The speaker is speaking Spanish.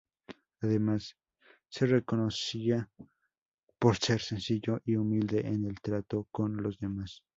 Además se reconocía por ser sencillo y humilde en el trato con los demás.